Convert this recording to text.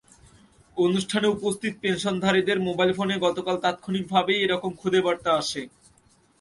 অনুষ্ঠানে উপস্থিত পেনশনধারীদের মোবাইল ফোনে গতকাল তাৎক্ষণিকভাবেই এ রকম খুদে বার্তা আসে।